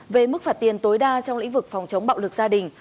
về mức phạt tiền tối đa trong lĩnh vực phòng chống bạo lực gia đình